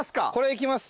いきます。